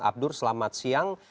abdur selamat siang